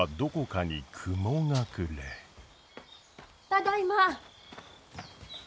ただいま。